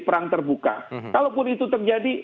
perang terbuka kalaupun itu terjadi